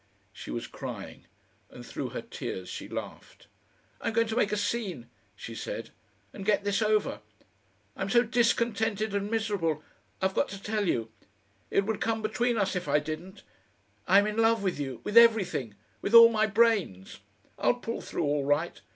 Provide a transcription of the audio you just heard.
She was crying, and through her tears she laughed. "I'm going to make a scene," she said, "and get this over. I'm so discontented and miserable; I've got to tell you. It would come between us if I didn't. I'm in love with you, with everything with all my brains. I'll pull through all right.